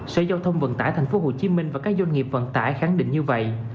sở giao thông vận tải tp hcm và các doanh nghiệp vận tải khẳng định như vậy